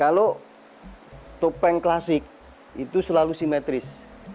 kalau topeng klasik itu selalu simetris